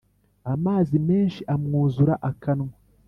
Amazi menshi amwuzura akanwa